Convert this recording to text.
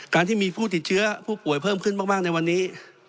การที่มีผู้ติดเชื้อผู้ป่วยเพิ่มขึ้นมากในวันนี้